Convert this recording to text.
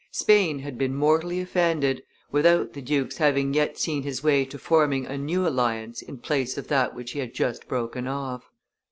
Spain had been mortally offended, without the duke's having yet seen his way to forming a new alliance in place of that which he had just broken off.